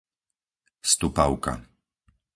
Stupavka